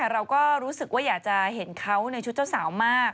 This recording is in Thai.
เราก็รู้สึกว่าอยากจะเห็นเขาในชุดเจ้าสาวมาก